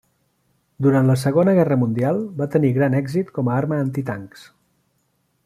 Durant la Segona Guerra Mundial va tenir gran èxit com a arma antitancs.